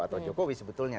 atau jokowi sebetulnya